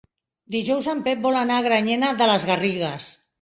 Dijous en Pep vol anar a Granyena de les Garrigues.